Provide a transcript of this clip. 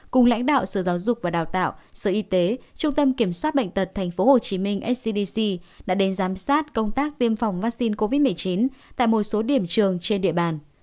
cùng lãnh đạo sở giáo dục và đào tạo sở y tế trung tâm kiểm soát bệnh tật tp hcm scdc đã đến giám sát công tác tiêm phòng vaccine covid một mươi chín tại một số điểm trường trên địa bàn